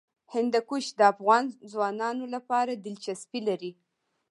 هندوکش د افغان ځوانانو لپاره دلچسپي لري.